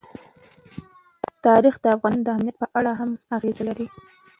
تاریخ د افغانستان د امنیت په اړه هم اغېز لري.